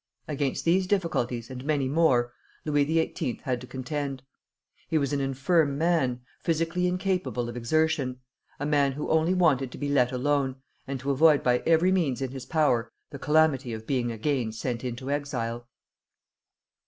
Against these difficulties, and many more, Louis XVIII. had to contend. He was an infirm man, physically incapable of exertion, a man who only wanted to be let alone, and to avoid by every means in his power the calamity of being again sent into exile.